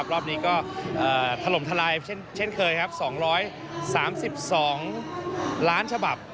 รอบนี้ก็ทะลมทลายเช่นเคย๒๓๒ล้านฉบับ